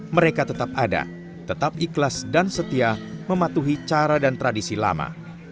mereka tetap ada tetap ikhlas dan setia mematuhi cara dan tradisi lama